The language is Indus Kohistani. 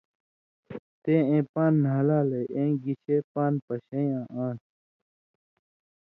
تے اېں پان٘د نھالالئ! اېں گِشے پان٘د پَشَیں یاں آن٘س؟